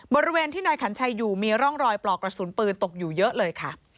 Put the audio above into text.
บริเวณที่นายขัญชัยอยู่มีร่องรอยปลอกกระสุนปืนตกอยู่เยอะเลยค่ะ